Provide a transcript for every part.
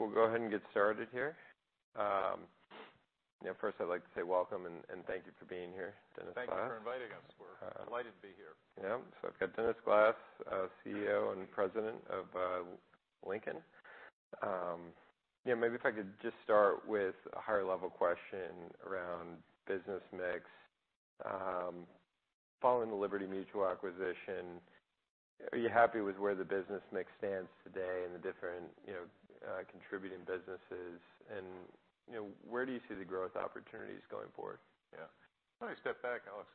Great. I think we'll go ahead and get started here. First I'd like to say welcome and thank you for being here, Dennis Glass. Thank you for inviting us. We're delighted to be here. Yeah. I've got Dennis Glass, CEO and President of Lincoln. Maybe if I could just start with a higher level question around business mix. Following the Liberty Mutual acquisition, are you happy with where the business mix stands today and the different contributing businesses, and where do you see the growth opportunities going forward? Yeah. Let me step back, Alex,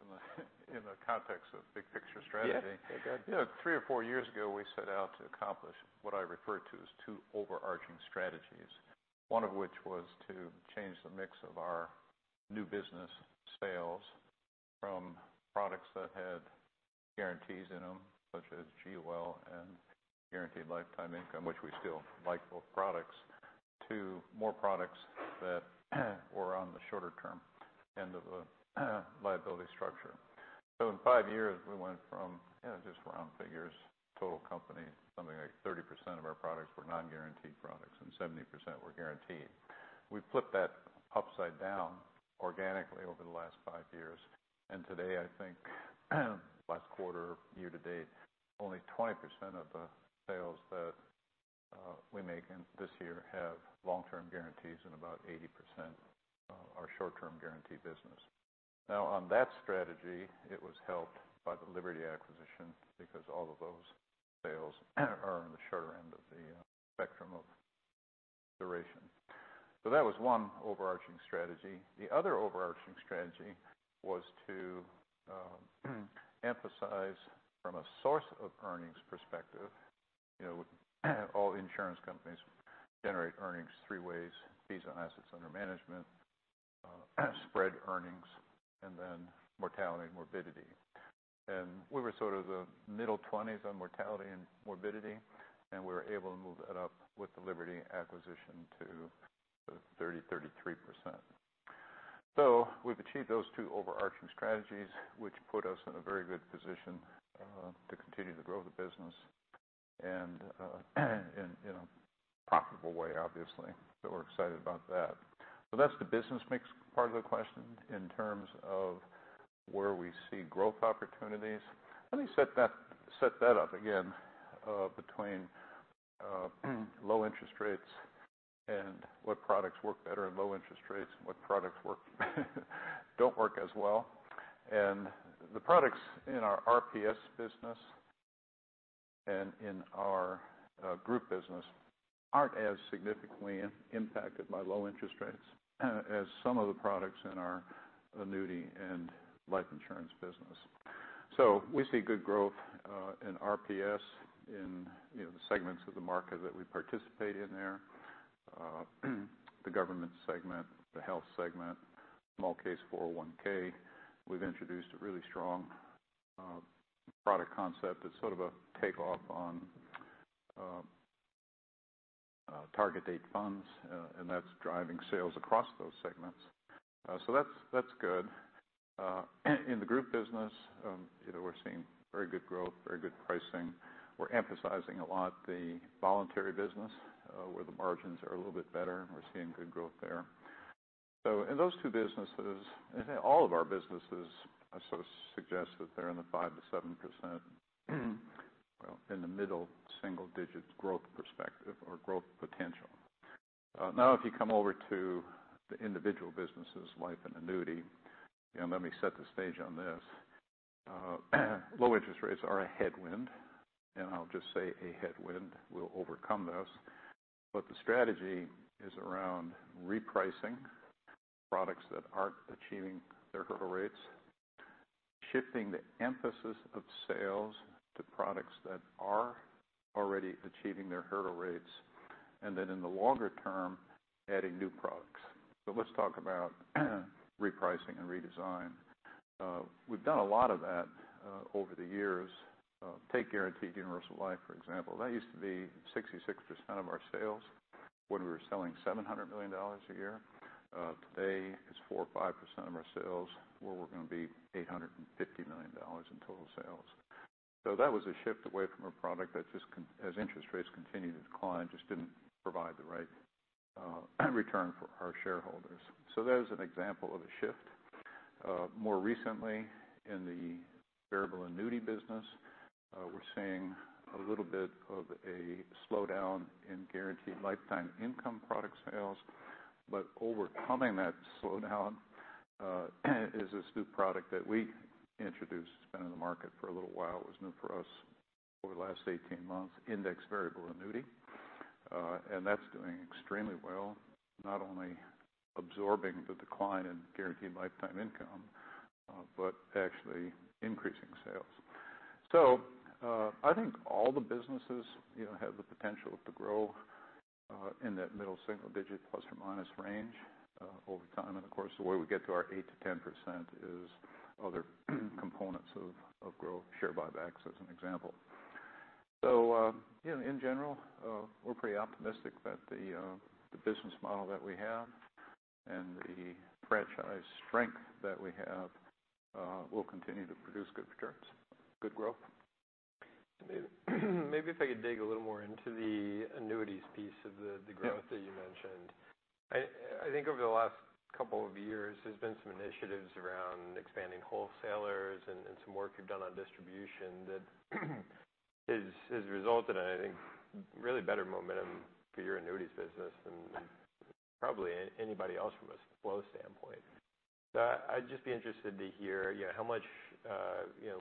in the context of big picture strategy. Yeah, go ahead. Three or four years ago, we set out to accomplish what I refer to as two overarching strategies. One of which was to change the mix of our new business sales from products that had guarantees in them, such as GUL and guaranteed lifetime income, which we still like both products, to more products that were on the shorter term end of the liability structure. In five years, we went from, just round figures, total company, something like 30% of our products were non-guaranteed products, and 70% were guaranteed. We flipped that upside down organically over the last five years, and today, I think last quarter year to date, only 20% of the sales that we make this year have long-term guarantees, and about 80% are short-term guarantee business. On that strategy, it was helped by the Liberty acquisition because all of those sales are on the shorter end of the spectrum of duration. That was one overarching strategy. The other overarching strategy was to emphasize from a source of earnings perspective. All insurance companies generate earnings three ways, fees on assets under management, spread earnings, and then mortality and morbidity. We were sort of the middle 20s on mortality and morbidity, and we were able to move that up with the Liberty acquisition to 30%, 33%. We've achieved those two overarching strategies, which put us in a very good position to continue to grow the business in a profitable way, obviously. We're excited about that. That's the business mix part of the question. In terms of where we see growth opportunities, let me set that up again. Between low interest rates and what products work better in low interest rates and what products don't work as well. The products in our RPS business and in our group business aren't as significantly impacted by low interest rates as some of the products in our annuity and life insurance business. We see good growth in RPS in the segments of the market that we participate in there. The government segment, the health segment, small case 401(k). We've introduced a really strong product concept that's sort of a takeoff on target date funds, and that's driving sales across those segments. That's good. In the group business, we're seeing very good growth, very good pricing. We're emphasizing a lot the voluntary business, where the margins are a little bit better, and we're seeing good growth there. In those two businesses, all of our businesses, I suggest that they're in the 5%-7%, in the middle single digits growth perspective or growth potential. If you come over to the individual businesses, life and annuity, and let me set the stage on this. Low interest rates are a headwind, and I'll just say a headwind. We'll overcome those. The strategy is around repricing products that aren't achieving their hurdle rates, shifting the emphasis of sales to products that are already achieving their hurdle rates, and then in the longer term, adding new products. Let's talk about repricing and redesign. We've done a lot of that over the years. Take guaranteed universal life, for example. That used to be 66% of our sales when we were selling $700 million a year. Today, it's 4% or 5% of our sales. We're working to be $850 million in total sales. That was a shift away from a product that as interest rates continued to decline, just didn't provide the right return for our shareholders. There's an example of a shift. More recently in the variable annuity business, we're seeing a little bit of a slowdown in guaranteed lifetime income product sales. Overcoming that slowdown is this new product that we introduced. It's been in the market for a little while. It was new for us over the last 18 months, indexed variable annuity. That's doing extremely well, not only absorbing the decline in guaranteed lifetime income, but actually increasing sales. I think all the businesses have the potential to grow in that middle single digit plus or minus range over time. Of course, the way we get to our 8%-10% is other components of growth, share buybacks as an example. In general, we're pretty optimistic that the business model that we have And the franchise strength that we have will continue to produce good returns, good growth. Maybe if I could dig a little more into the annuities piece of the growth. Yeah that you mentioned. I think over the last couple of years, there's been some initiatives around expanding wholesalers and some work you've done on distribution that has resulted in a really better momentum for your annuities business than probably anybody else from a flow standpoint. I'd just be interested to hear,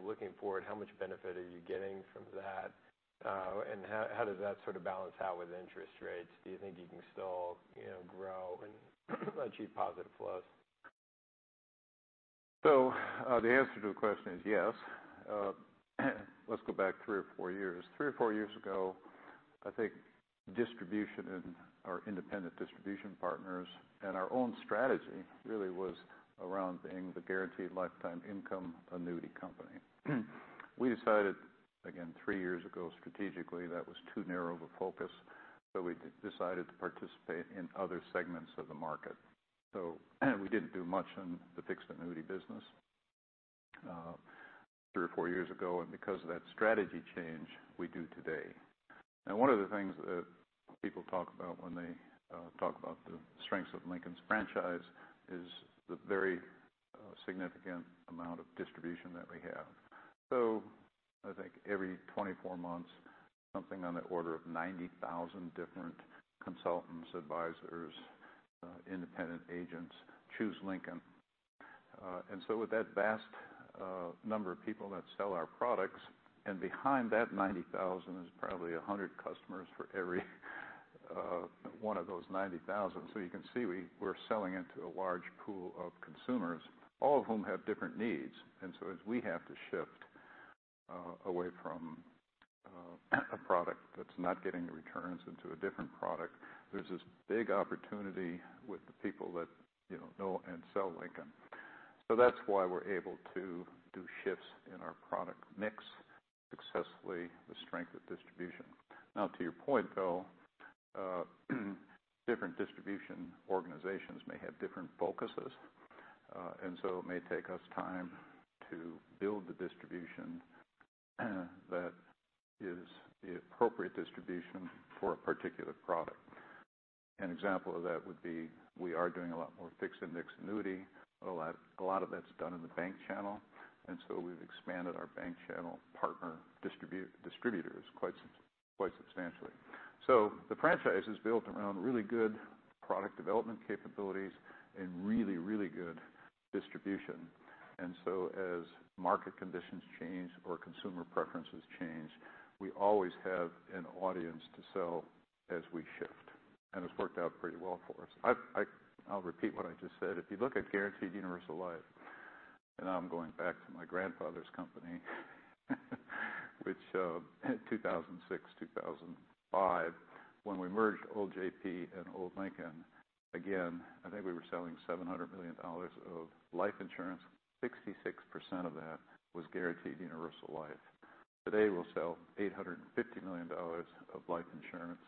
looking forward, how much benefit are you getting from that? And how does that balance out with interest rates? Do you think you can still grow and achieve positive flows? The answer to the question is yes. Let's go back three or four years. Three or four years ago, I think distribution and our independent distribution partners and our own strategy really was around being the guaranteed lifetime income annuity company. We decided, again, three years ago, strategically, that was too narrow of a focus. We decided to participate in other segments of the market. We didn't do much in the fixed annuity business three or four years ago, and because of that strategy change, we do today. One of the things that people talk about when they talk about the strengths of Lincoln's franchise is the very significant amount of distribution that we have. I think every 24 months, something on the order of 90,000 different consultants, advisors, independent agents choose Lincoln. With that vast number of people that sell our products, and behind that 90,000 is probably 100 customers for every one of those 90,000. You can see we're selling it to a large pool of consumers, all of whom have different needs. As we have to shift away from a product that's not getting the returns into a different product, there's this big opportunity with the people that know and sell Lincoln. That's why we're able to do shifts in our product mix successfully, the strength of distribution. To your point, though, different distribution organizations may have different focuses. It may take us time to build the distribution that is the appropriate distribution for a particular product. An example of that would be, we are doing a lot more fixed indexed annuity. A lot of that's done in the bank channel. We've expanded our bank channel partner distributors quite substantially. The franchise is built around really good product development capabilities and really, really good distribution. As market conditions change or consumer preferences change, we always have an audience to sell as we shift, and it's worked out pretty well for us. I'll repeat what I just said. If you look at Guaranteed Universal Life, and now I'm going back to my grandfather's company, which, in 2006, 2005, when we merged old Jefferson-Pilot and old Lincoln, again, I think we were selling $700 million of life insurance. 66% of that was Guaranteed Universal Life. Today, we'll sell $850 million of life insurance,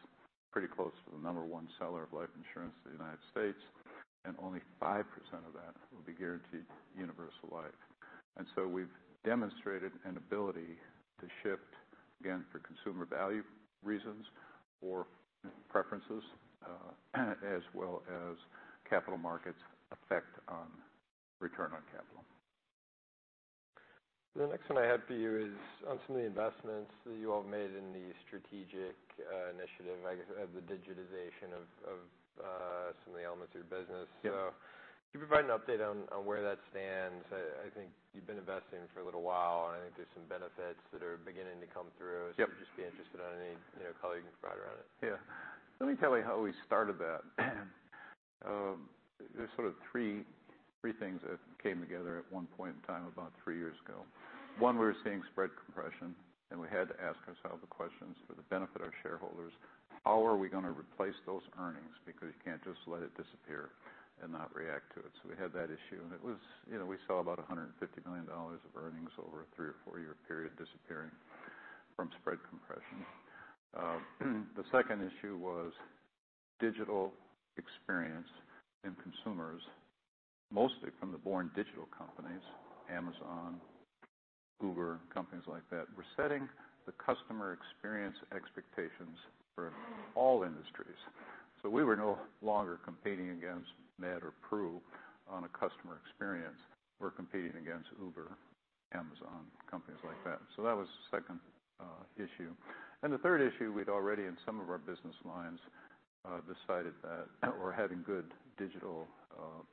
pretty close to the number one seller of life insurance in the U.S., and only 5% of that will be Guaranteed Universal Life. We've demonstrated an ability to shift, again, for consumer value reasons or preferences, as well as capital markets' effect on return on capital. The next one I had for you is on some of the investments that you all have made in the strategic initiative, I guess, of the digitization of some of the elements of your business. Yeah. Can you provide an update on where that stands? I think you've been investing for a little while, and I think there's some benefits that are beginning to come through. Yep. Just be interested on any color you can provide around it. Yeah. Let me tell you how we started that. There's sort of three things that came together at one point in time, about three years ago. One, we were seeing spread compression, we had to ask ourselves the questions for the benefit of our shareholders, how are we going to replace those earnings? Because you can't just let it disappear and not react to it. We had that issue, and we saw about $150 million of earnings over a three- or four-year period disappearing from spread compression. The second issue was digital experience in consumers, mostly from the born digital companies, Amazon, Google, companies like that, were setting the customer experience expectations for all industries. We were no longer competing against MetLife or Prudential on a customer experience. We're competing against Uber, Amazon, companies like that. The third issue, we'd already in some of our business lines, decided that we're having good digital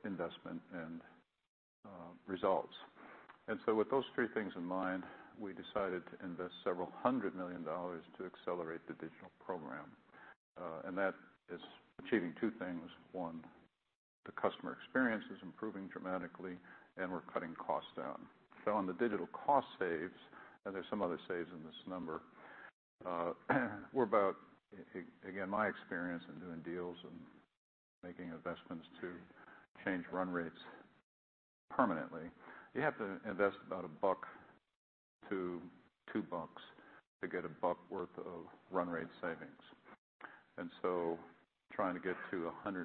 investment and results. With those three things in mind, we decided to invest several hundred million dollars to accelerate the digital program. That is achieving two things. One, the customer experience is improving dramatically, and we're cutting costs down. On the digital cost saves, and there's some other saves in this number, we're about, again, my experience in doing deals and making investments to change run rates Permanently. You have to invest about a buck to two bucks to get a buck worth of run rate savings. Trying to get to $150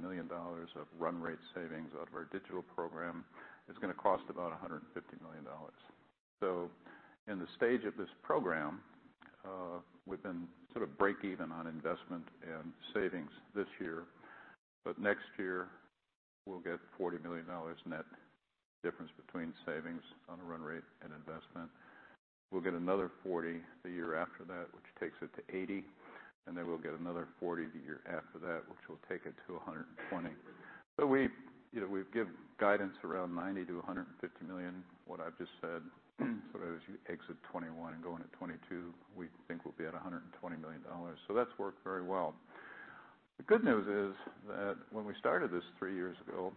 million of run rate savings out of our digital program is going to cost about $150 million. In the stage of this program, we've been sort of break even on investment and savings this year. Next year, we'll get $40 million net difference between savings on a run rate and investment. We'll get another 40 the year after that, which takes it to 80, then we'll get another 40 the year after that, which will take it to 120. We've given guidance around $90 million-$150 million, what I've just said. As you exit 2021 and go into 2022, we think we'll be at $120 million. That's worked very well. The good news is that when we started this three years ago,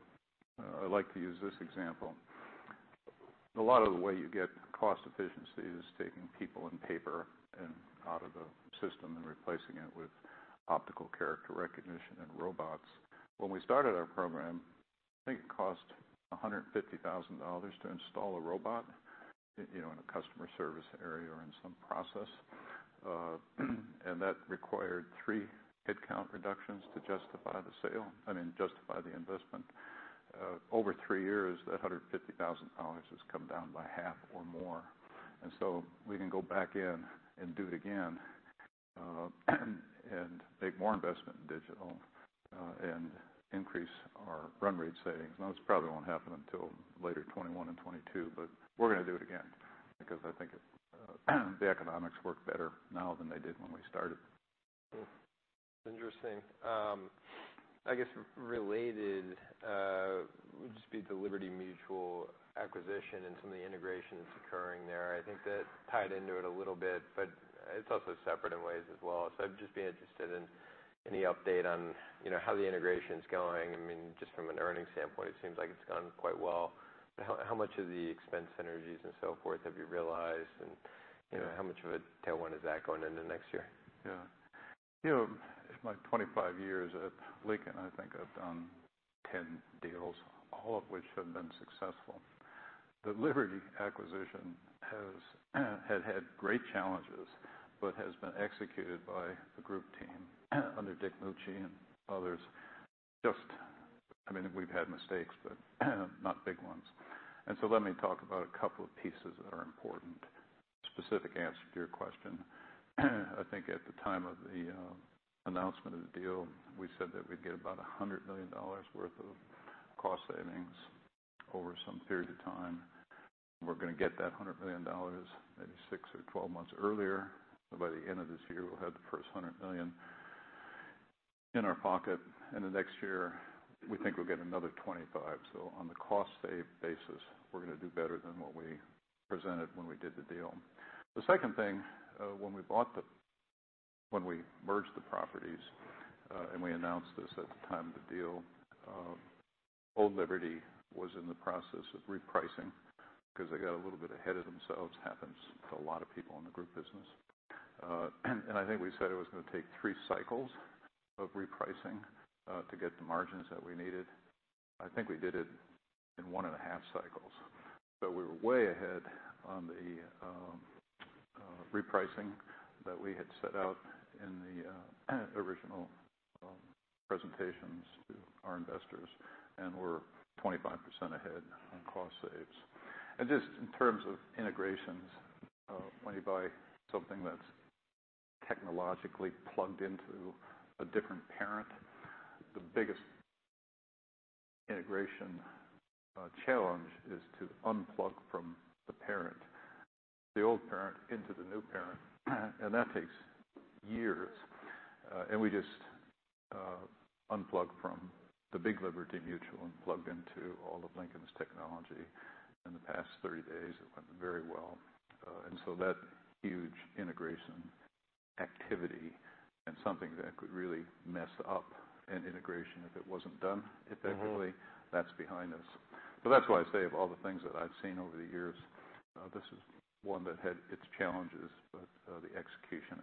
I like to use this example. A lot of the way you get cost efficiency is taking people and paper out of the system and replacing it with optical character recognition and robots. When we started our program, I think it cost $150,000 to install a robot in a customer service area or in some process. That required three headcount reductions to justify the investment. Over three years, that $150,000 has come down by half or more. We can go back in and do it again and make more investment in digital, and increase our run rate savings. Now, this probably won't happen until later 2021 and 2022, but we're going to do it again because I think the economics work better now than they did when we started. Interesting. I guess related would just be the Liberty Mutual acquisition and some of the integration that's occurring there. I think that tied into it a little bit, but it's also separate in ways as well. I'd just be interested in any update on how the integration's going. Just from an earnings standpoint, it seems like it's gone quite well. How much of the expense synergies and so forth have you realized, and how much of a tailwind is that going into next year? Yeah. In my 25 years at Lincoln, I think I've done 10 deals, all of which have been successful. The Liberty acquisition had great challenges but has been executed by the group team under Dick Mucci and others. I mean, we've had mistakes, but not big ones. Let me talk about a couple of pieces that are important, specific answer to your question. I think at the time of the announcement of the deal, we said that we'd get about $100 million worth of cost savings over some period of time. We're going to get that $100 million maybe six or 12 months earlier. By the end of this year, we'll have the first $100 million in our pocket. In the next year, we think we'll get another $25 million. On the cost save basis, we're going to do better than what we presented when we did the deal. The second thing, when we merged the properties, and we announced this at the time of the deal, old Liberty was in the process of repricing because they got a little bit ahead of themselves. Happens to a lot of people in the group business. I think we said it was going to take three cycles of repricing to get the margins that we needed. I think we did it in one and a half cycles. We were way ahead on the repricing that we had set out in the original presentations to our investors, and we're 25% ahead on cost saves. Just in terms of integrations, when you buy something that's technologically plugged into a different parent, the biggest integration challenge is to unplug from the parent, the old parent into the new parent, and that takes years. We just unplugged from the big Liberty Mutual and plugged into all of Lincoln's technology in the past 30 days. It went very well. That huge integration activity and something that could really mess up an integration if it wasn't done effectively, that's behind us. That's why I say of all the things that I've seen over the years, this is one that had its challenges, but the execution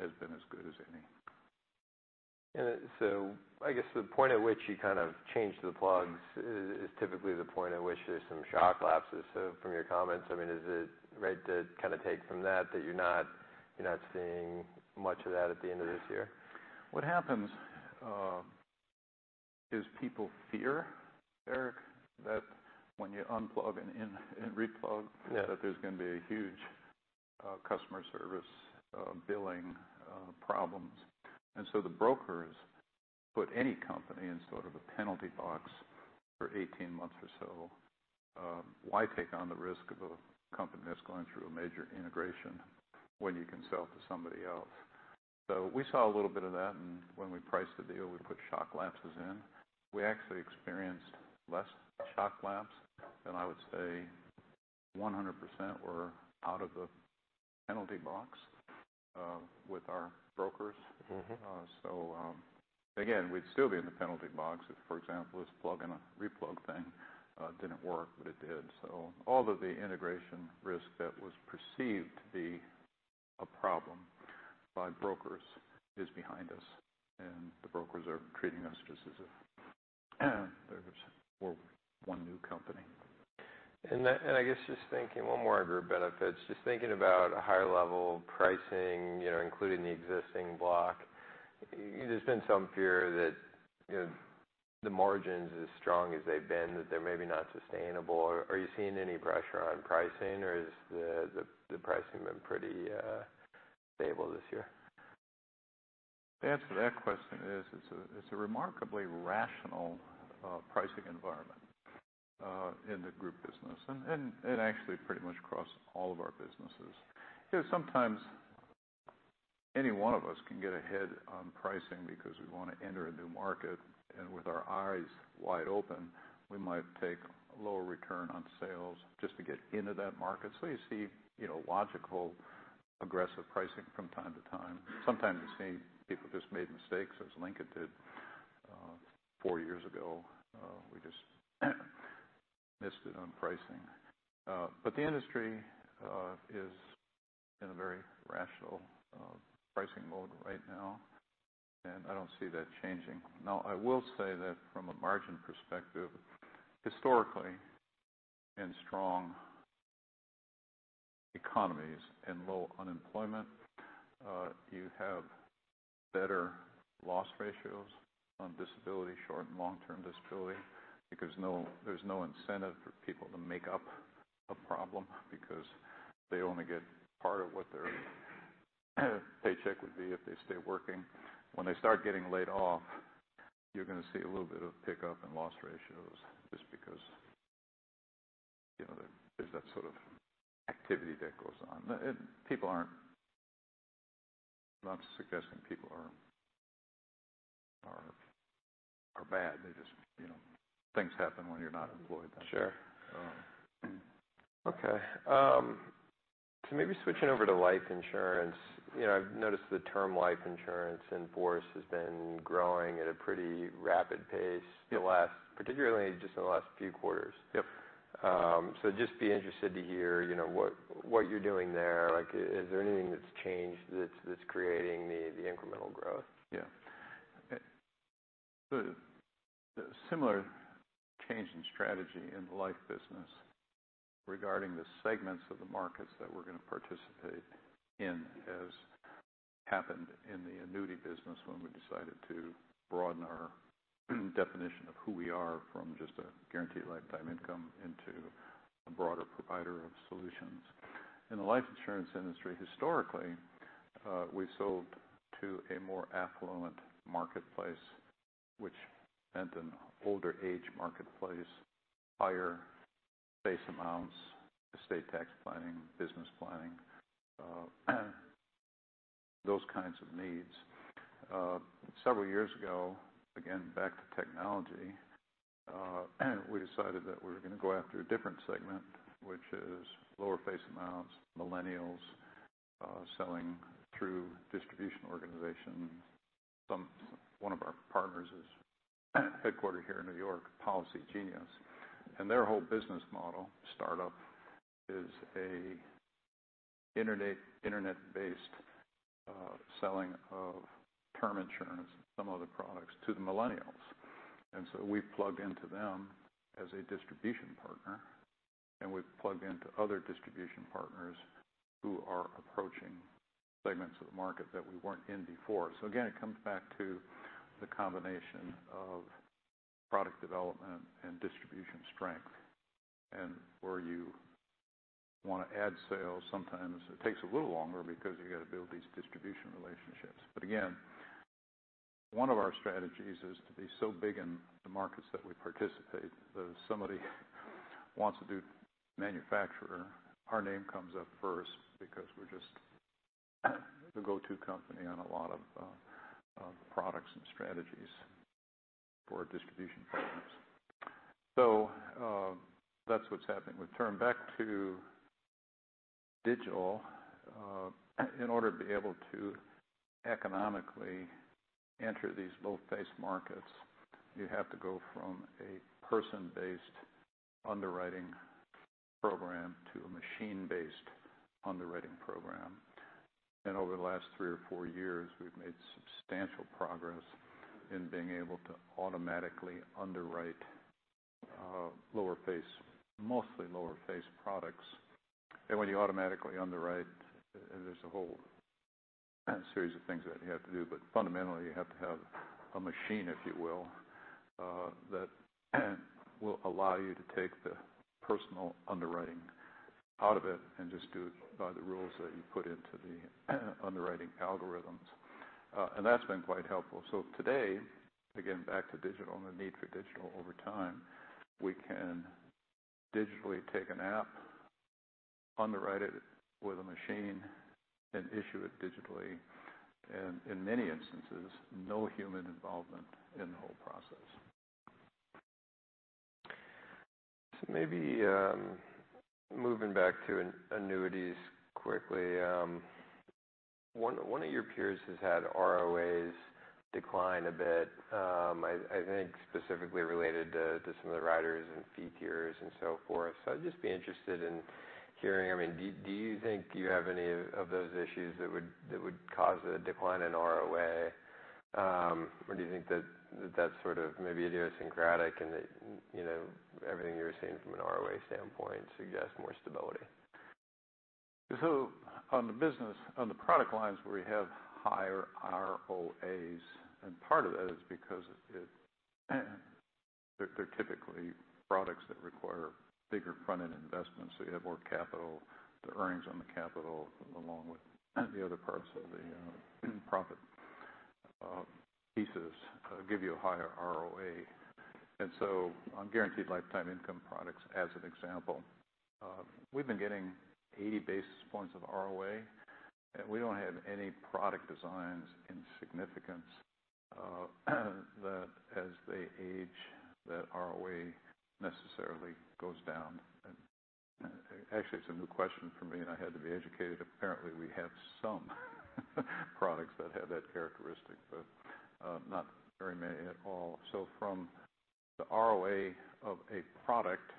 has been as good as any. I guess the point at which you kind of changed the plugs is typically the point at which there's some shock lapses. From your comments, I mean, is it right to take from that you're not seeing much of that at the end of this year? What happens is people fear, Alex, that when you unplug and replug Yeah that there's going to be a huge customer service billing problems. The brokers put any company in sort of a penalty box for 18 months or so. Why take on the risk of a company that's going through a major integration when you can sell to somebody else? We saw a little bit of that, and when we priced the deal, we put shock lapses in. We actually experienced less shock lapse, and I would say 100% were out of the penalty box with our brokers. Again, we'd still be in the penalty box if, for example, this plug and a replug thing didn't work, but it did. All of the integration risk that was perceived to be a problem by brokers is behind us, and the brokers are treating us just as if there's one new company. I guess just thinking one more under benefits, just thinking about a higher level pricing, including the existing block, there's been some fear that the margins, as strong as they've been, that they're maybe not sustainable. Are you seeing any pressure on pricing, or has the pricing been pretty stable this year? The answer to that question is it's a remarkably rational pricing environment in the group business. It actually pretty much across all of our businesses. Sometimes any one of us can get ahead on pricing because we want to enter a new market, and with our eyes wide open, we might take a lower return on sales just to get into that market. You see logical, aggressive pricing from time to time. Sometimes you see people just made mistakes, as Lincoln did 4 years ago. We just missed it on pricing. The industry is in a very rational pricing mode right now, and I don't see that changing. Now, I will say that from a margin perspective, historically, in strong economies and low unemployment, you have better loss ratios on disability, short and long-term disability, because there's no incentive for people to make up a problem because they only get part of what their paycheck would be if they stay working. When they start getting laid off, you're going to see a little bit of pickup in loss ratios just because there's that sort of activity that goes on. I'm not suggesting people are bad. Things happen when you're not employed. Sure. Okay. Maybe switching over to life insurance. I've noticed the term life insurance in force has been growing at a pretty rapid pace. Yep particularly just in the last few quarters. Yep. Just be interested to hear what you're doing there. Is there anything that's changed that's creating the incremental growth? Yeah. Similar change in strategy in the life business regarding the segments of the markets that we're going to participate in as happened in the annuity business when we decided to broaden our definition of who we are from just a guaranteed lifetime income into a broader provider of solutions. In the life insurance industry, historically, we sold to a more affluent marketplace, which meant an older age marketplace, higher base amounts, estate tax planning, business planning, those kinds of needs. Several years ago, again, back to technology, we decided that we were going to go after a different segment, which is lower face amounts, millennials, selling through distribution organizations. One of our partners is headquartered here in New York, Policygenius, and their whole business model, startup, is an internet-based selling of term insurance, some other products, to the millennials. We've plugged into them as a distribution partner, and we've plugged into other distribution partners who are approaching segments of the market that we weren't in before. Again, it comes back to the combination of product development and distribution strength and where you want to add sales. Sometimes it takes a little longer because you've got to build these distribution relationships. Again, one of our strategies is to be so big in the markets that we participate, that if somebody wants to do manufacturer, our name comes up first because we're just the go-to company on a lot of products and strategies for distribution partners. That's what's happening with term. Back to digital, in order to be able to economically enter these low-face markets, you have to go from a person-based underwriting program to a machine-based underwriting program. Over the last three or four years, we've made substantial progress in being able to automatically underwrite mostly lower face products. When you automatically underwrite, there's a whole series of things that you have to do. Fundamentally, you have to have a machine, if you will, that will allow you to take the personal underwriting out of it and just do it by the rules that you put into the underwriting algorithms. That's been quite helpful. Today, again, back to digital and the need for digital over time, we can digitally take an app, underwrite it with a machine, and issue it digitally, and in many instances, no human involvement in the whole process. Maybe moving back to annuities quickly. One of your peers has had ROA decline a bit, I think specifically related to some of the riders and fee tiers and so forth. I'd just be interested in hearing, do you think you have any of those issues that would cause a decline in ROA? Or do you think that that's maybe idiosyncratic and that everything you're seeing from an ROA standpoint suggests more stability? On the business, on the product lines where we have higher ROA, and part of that is because they're typically products that require bigger front-end investments, so you have more capital. The earnings on the capital, along with the other parts of the profit pieces, give you a higher ROA. On guaranteed lifetime income products, as an example, we've been getting 80 basis points of ROA. We don't have any product designs in significance that as they age, that ROA necessarily goes down. Actually, it's a new question for me, and I had to be educated. Apparently, we have some products that have that characteristic, but not very many at all. From the ROA of a product,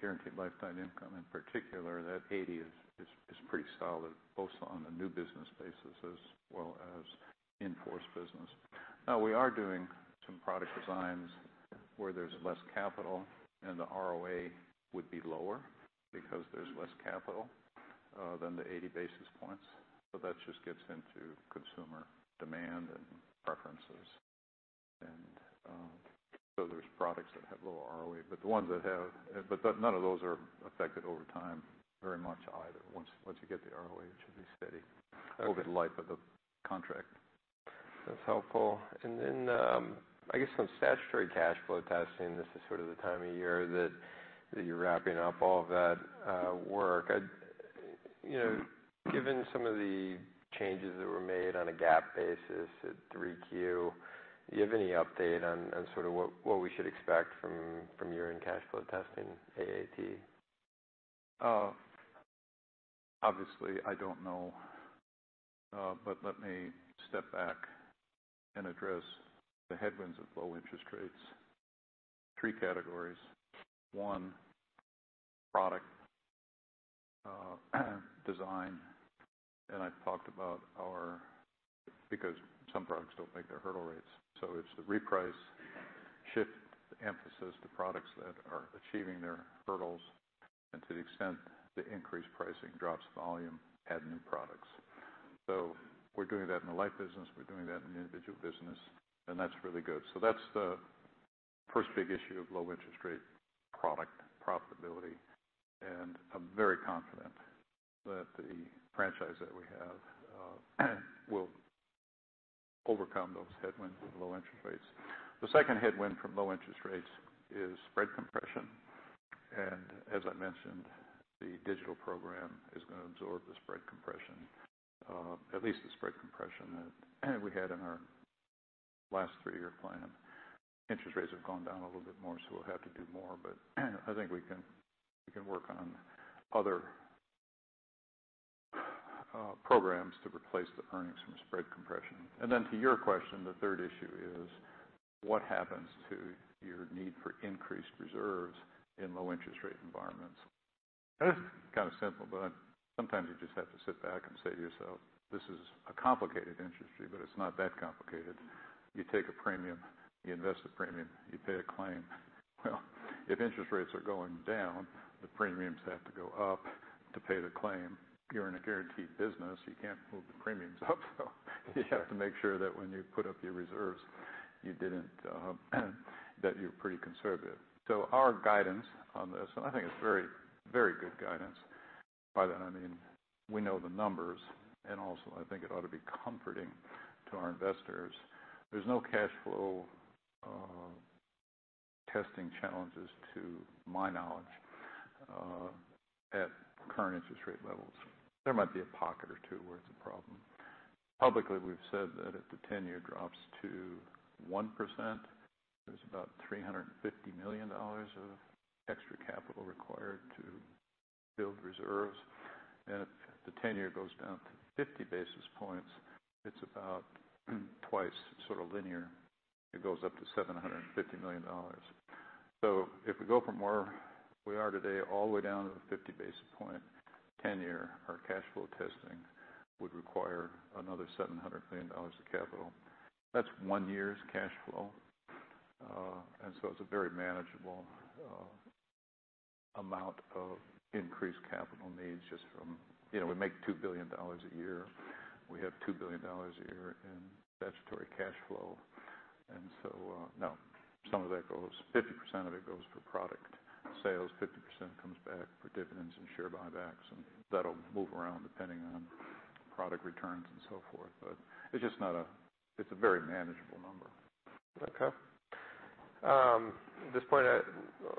guaranteed lifetime income in particular, that 80 is pretty solid, both on a new business basis as well as in force business. Now, we are doing some product designs where there's less capital, and the ROA would be lower because there's less capital than the 80 basis points. That just gets into consumer demand and preferences. There's products that have low ROA, but none of those are affected over time very much either. Once you get the ROA, it should be steady over the life of the contract. That's helpful. I guess some statutory cash flow testing. This is the time of year that you're wrapping up all of that work. Given some of the changes that were made on a GAAP basis at 3Q, do you have any update on what we should expect from your year-end flow testing, AAT? Obviously, I don't know. Let me step back and address the headwinds of low interest rates. 3 categories. 1, product design. I talked about because some products don't make their hurdle rates, so it's the reprice shift, the emphasis, the products that are achieving their hurdles, to the extent the increased pricing drops volume, add new products. We're doing that in the life business, we're doing that in the individual business, that's really good. That's the first big issue of low interest rate product profitability. I'm very confident that the franchise that we have will overcome those headwinds with low interest rates. The second headwind from low interest rates is spread compression. As I mentioned, the digital program is going to absorb the spread compression, at least the spread compression that we had in our last three-year plan. Interest rates have gone down a little bit more. We'll have to do more, I think we can work on other programs to replace the earnings from spread compression. To your question, the third issue is what happens to your need for increased reserves in low interest rate environments? It's kind of simple. Sometimes you just have to sit back and say to yourself, "This is a complicated industry, but it's not that complicated." You take a premium, you invest the premium, you pay a claim. Well, if interest rates are going down, the premiums have to go up to pay the claim. If you're in a guaranteed business, you can't move the premiums up, you have to make sure that when you put up your reserves, that you're pretty conservative. Our guidance on this, I think it's very good guidance. By that, I mean we know the numbers. Also, I think it ought to be comforting to our investors. There's no cash flow testing challenges, to my knowledge, at current interest rate levels. There might be a pocket or two where it's a problem. Publicly, we've said that if the ten-year drops to 1%, there's about $350 million of extra capital required to build reserves. If the ten-year goes down to 50 basis points, it's about twice linear. It goes up to $750 million. If we go from where we are today all the way down to the 50 basis point ten-year, our cash flow testing would require another $700 million of capital. That's one year's cash flow. It's a very manageable amount of increased capital needs. We make $2 billion a year. We have $2 billion a year in statutory cash flow. Some of that goes, 50% of it goes for product sales, 50% comes back for dividends and share buybacks, and that'll move around depending on product returns and so forth. It's a very manageable number. Okay. At this point,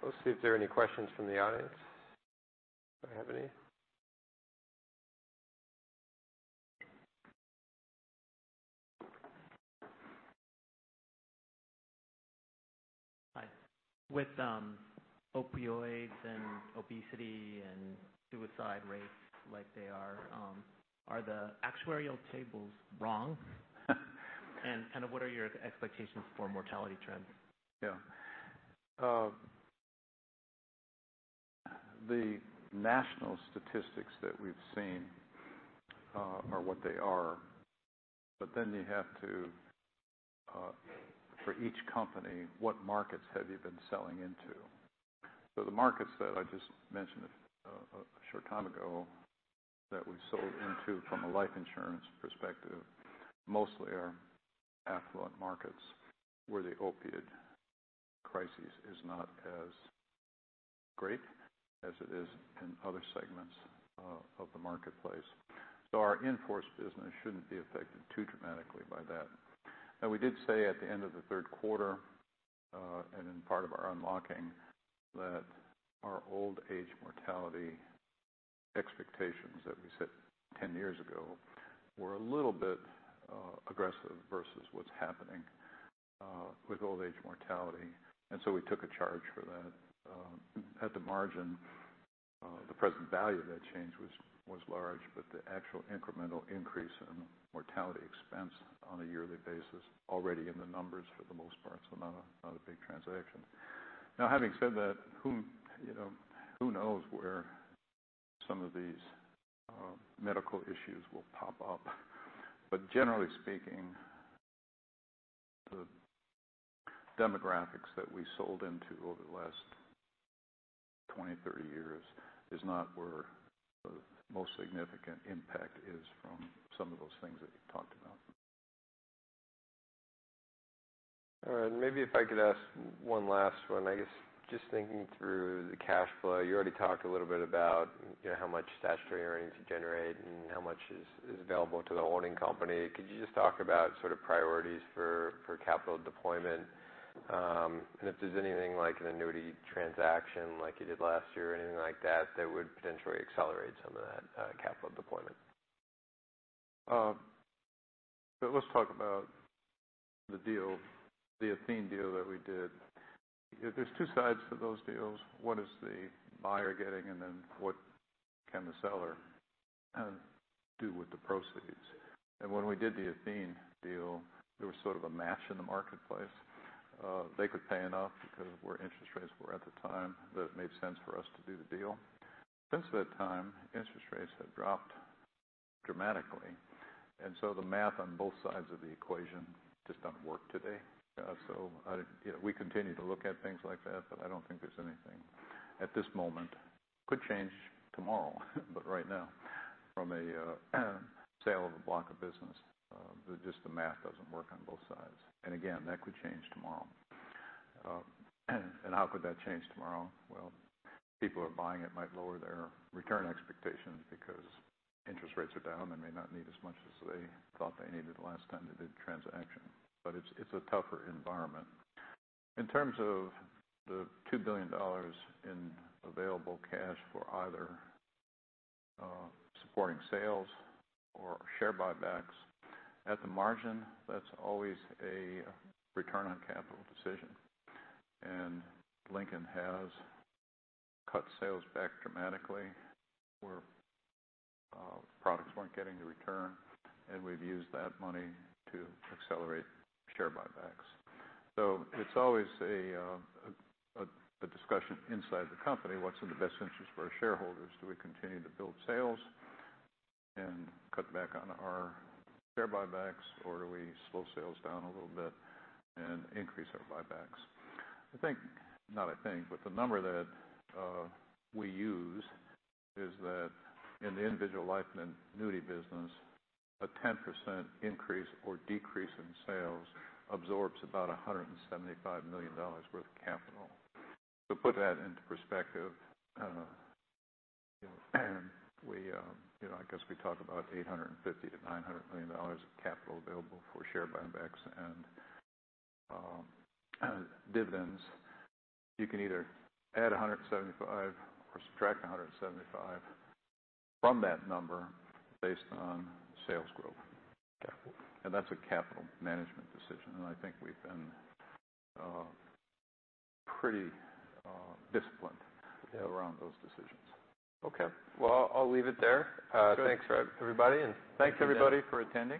let's see if there are any questions from the audience. Do I have any? With opioids and obesity and suicide rates like they are the actuarial tables wrong? What are your expectations for mortality trends? Yeah. The national statistics that we've seen are what they are, but then you have to, for each company, what markets have you been selling into? The markets that I just mentioned a short time ago that we sold into from a life insurance perspective mostly are affluent markets where the opiate crisis is not as great as it is in other segments of the marketplace. Our in-force business shouldn't be affected too dramatically by that. We did say at the end of the third quarter, and in part of our unlocking, that our old age mortality expectations that we set 10 years ago were a little bit aggressive versus what's happening with old age mortality, and so we took a charge for that. At the margin, the present value of that change was large, but the actual incremental increase in mortality expense on a yearly basis already in the numbers for the most part, not a big transaction. Having said that, who knows where some of these medical issues will pop up? Generally speaking, the demographics that we sold into over the last 20, 30 years is not where the most significant impact is from some of those things that you talked about. All right. Maybe if I could ask one last one. I guess just thinking through the cash flow, you already talked a little bit about how much statutory earnings you generate and how much is available to the holding company. Could you just talk about priorities for capital deployment, and if there's anything like an annuity transaction like you did last year, or anything like that would potentially accelerate some of that capital deployment? Let's talk about the Athene deal that we did. There's two sides to those deals. What is the buyer getting, and then what can the seller do with the proceeds? When we did the Athene deal, there was sort of a match in the marketplace. They could pay enough because of where interest rates were at the time that it made sense for us to do the deal. Since that time, interest rates have dropped dramatically, the math on both sides of the equation just doesn't work today. We continue to look at things like that, I don't think there's anything at this moment. Could change tomorrow but right now from a sale of a block of business, just the math doesn't work on both sides. Again, that could change tomorrow. How could that change tomorrow? People who are buying it might lower their return expectations because interest rates are down and may not need as much as they thought they needed the last time they did the transaction. It's a tougher environment. In terms of the $2 billion in available cash for either supporting sales or share buybacks, at the margin, that's always a return on capital decision. Lincoln has cut sales back dramatically where products weren't getting the return, and we've used that money to accelerate share buybacks. It's always a discussion inside the company, what's in the best interest for our shareholders? Do we continue to build sales and cut back on our share buybacks, or do we slow sales down a little bit and increase our buybacks? The number that we use is that in the individual life and annuity business, a 10% increase or decrease in sales absorbs about $175 million worth of capital. To put that into perspective, I guess we talk about $850 million to $900 million of capital available for share buybacks and dividends. You can either add $175 or subtract $175 from that number based on sales growth. Capital. That's a capital management decision, I think we've been pretty disciplined- Yeah around those decisions. Okay. Well, I'll leave it there. Good. Thanks, everybody. Thanks, everybody, for attending.